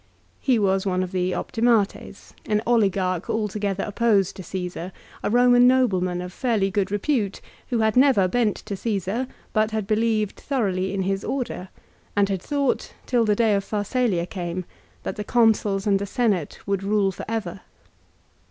He was one of the " optimates," an oligarch altogether opposed to Caesar, a Boman nobleman of fairly good repute, who had never bent to Caesar, but had believed thoroughly in his order and had thought, till the day of Pharsalia came, that the Consuls and the Senate would rule for ever.